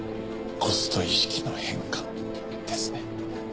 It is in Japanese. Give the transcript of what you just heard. コスト意識の変化ですね。